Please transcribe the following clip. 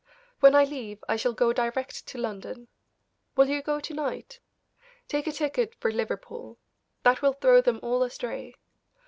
When I leave I shall go direct to London. Will you go to night? Take a ticket for Liverpool, that will throw them all astray.